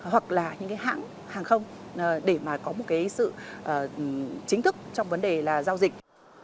hoặc là những cái hãng hàng không để mà có một cái sự chính thức trong vấn đề là giao dịch